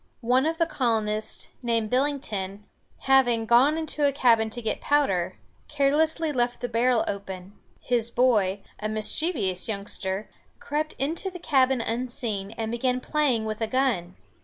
One of the colonists, named Bil´ling ton, having, gone into the cabin to get powder, carelessly left the barrel open. His boy, a mischievous youngster, crept into the cabin unseen, and began playing with a gun.